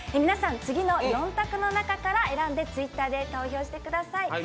皆さん、次の４択の中から選んでツイッターで投票してください。